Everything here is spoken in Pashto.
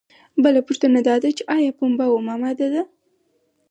بله پوښتنه دا ده چې ایا پنبه اومه ماده ده؟